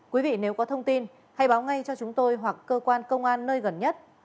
quý vị nếu có thông tin hãy báo ngay cho chúng tôi hoặc cơ quan công an nơi gần nhất